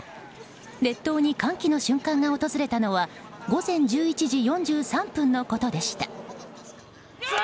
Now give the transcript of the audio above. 列島に歓喜の瞬間が訪れたのは午前１１時４３分のことでした。